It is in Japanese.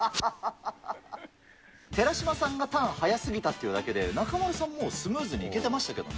寺嶋さんがターン速すぎたっていうだけで、中丸さんもスムーズに行けてましたけど。